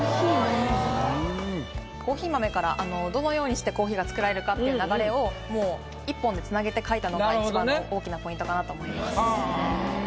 コーヒー豆からどのようにしてコーヒーが作られるかっていう流れを１本で繋げて描いたのが一番の大きなポイントかなと思います。